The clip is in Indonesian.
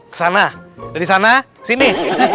kesana dari sana sini